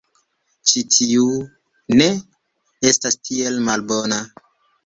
Ĉi tiu... ne estas tiel malbona.